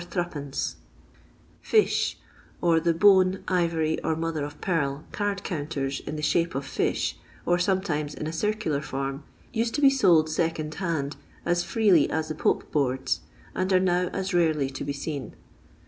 •' Fish," or the bone, ivory, or mother o' pearl cord counters in the shape of fish, or sometimes in a circular form, used to be sold second hand as freely as the Pope boards, and are now as rarely to be seen.